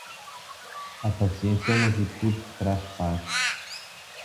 A paciência é uma virtude que traz paz.